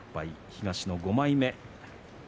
東の５枚目。